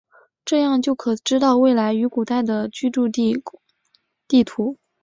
这样就可知道未来与古代的居住地地图。